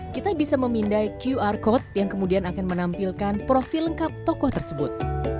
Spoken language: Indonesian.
kita bisa memindai qr code yang kemudian akan menampilkan profil lengkap tokoh tersebut